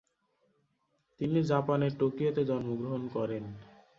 তিনি জাপানের টোকিওতে জন্মগ্রহণ করেন।